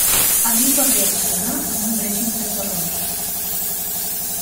Alí va reaccionar amb un règim de terror.